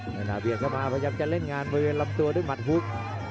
น้อยหน่าเบียนเข้ามาพยายามจะเล่นงานเมื่อลำตัวด้วยมัดฮุก